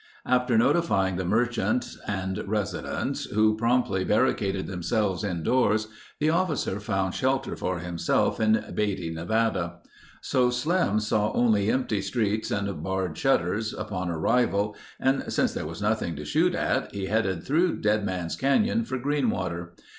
After notifying the merchants and the residents, who promptly barricaded themselves indoors, the officer found shelter for himself in Beatty, Nevada. So Slim saw only empty streets and barred shutters upon arrival and since there was nothing to shoot at he headed through Dead Man's Canyon for Greenwater.